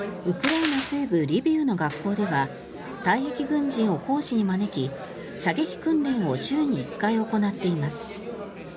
ウクライナ西部リビウの学校では退役軍人を講師に招き射撃訓練を週に１回行っています。